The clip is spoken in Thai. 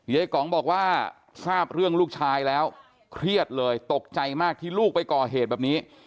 กองบอกว่าทราบเรื่องลูกชายแล้วเครียดเลยตกใจมากที่ลูกไปก่อเหตุแบบนี้